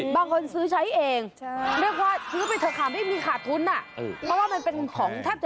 บางคนซื้อไปฝาก